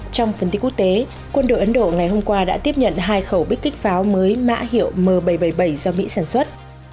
trong phần tin quốc tế quân đội ấn độ ngày hôm qua đã tiếp nhận hai khẩu bích kích pháo mới mã hiệu m bảy trăm bảy mươi bảy do mỹ sản xuất